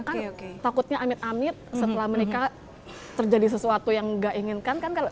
kan takutnya amit amit setelah menikah terjadi sesuatu yang nggak inginkan kan kalau